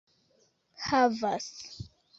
havas